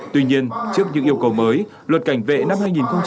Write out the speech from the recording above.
tuy nhiên trước những yêu cầu mới luật cảnh vệ năm hai nghìn một mươi ba